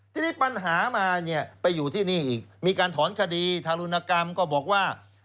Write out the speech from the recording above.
ทีนี้ปัญหามาเนี่ยไปอยู่ที่นี่อีกมีการถอนคดีทารุณกรรมก็บอกว่า